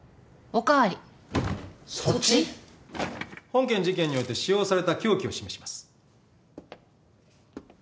本件事件において使用された凶器を示します。